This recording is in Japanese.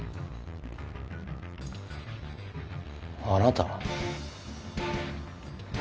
あなた。